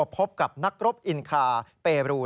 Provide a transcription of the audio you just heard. พบกับนักรบอินคาเปรู